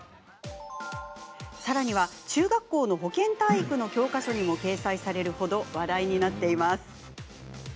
さらには、中学校の保健体育の教科書にも掲載されるほど話題になっています。